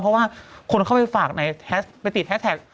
เพราะว่าคนเข้าไปฝากในแฮชไปติดแฮสแท็ก